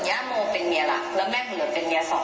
ย่าโมเป็นเมียหลักแล้วแม่ของหนูเป็นเมียสอง